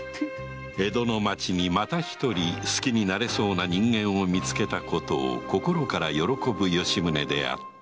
江戸の町にまた一人好きになれそうな人間を見つけたことを心から喜ぶ吉宗であった